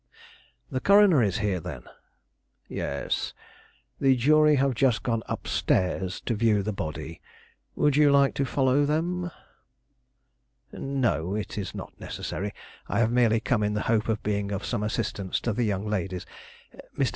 "The coroner is here, then?" "Yes; the jury have just gone up stairs to view the body; would you like to follow them?" "No, it is not necessary. I have merely come in the hope of being of some assistance to the young ladies. Mr.